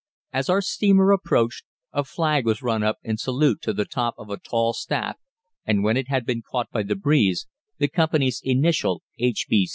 As our steamer approached, a flag was run up in salute to the top of a tall staff, and when it had been caught by the breeze, the Company's initials, H.